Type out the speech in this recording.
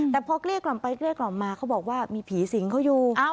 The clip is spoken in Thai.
แต่พอเกลี้ยกล่อมไปเกลี้ยกล่อมมาเขาบอกว่ามีผีสิงเขาอยู่